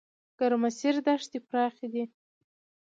ګرمسیر دښتې پراخې دي؟